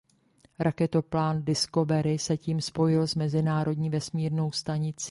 Raketoplán Discovery se tím spojil s Mezinárodní vesmírnou stanicí.